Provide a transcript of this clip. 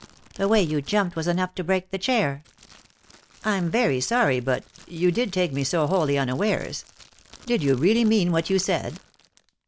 The way you jumped was enough to break the chair I "" I'm very sorry, but — you did take me so wholly unawares. Did you really mean what you said